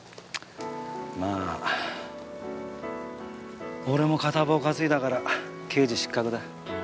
まあ俺も片棒を担いだから刑事失格だ。